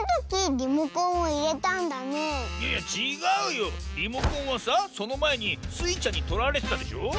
リモコンはさそのまえにスイちゃんにとられてたでしょ？